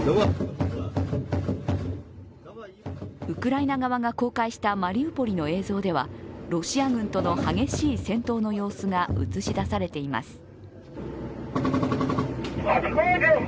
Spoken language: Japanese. ウクライナ側が公開したマリウポリの映像ではロシア軍との激しい戦闘の様子が映し出されています。